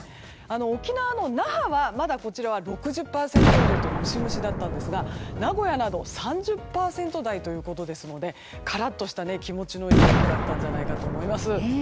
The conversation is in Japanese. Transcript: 沖縄の那覇はまだ６０％以上とムシムシだったんですが名古屋など３０％台ということですのでカラッとした気持ちのいい陽気だったんじゃないかと思います。